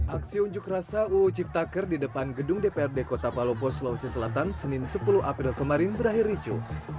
aksi unjuk rasa uu ciptaker di depan gedung dprd kota palopo sulawesi selatan senin sepuluh april kemarin berakhir ricu